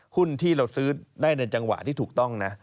หุ้นที่เราซื้อได้ในจังหวะที่ถูกต้องนะ